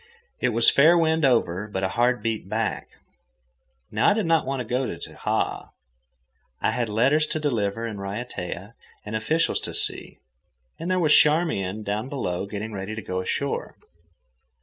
It was fair wind over, but a head beat back. Now I did not want to go to Tahaa. I had letters to deliver in Raiatea, and officials to see, and there was Charmian down below getting ready to go ashore.